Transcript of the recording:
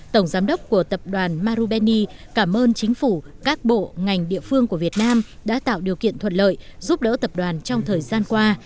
tổng giám đốc của tập đoàn marubeni cảm ơn chính phủ các bộ ngành địa phương của việt nam đã tạo điều kiện thuận lợi giúp đỡ tập đoàn trong thời gian qua